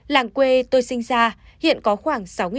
làng quê tôi sinh ra hiện có khoảng sáu mươi